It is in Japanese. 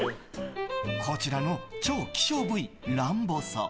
こちらの超希少部位、ランボソ。